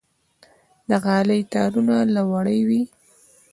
د غالۍ تارونه له وړۍ وي.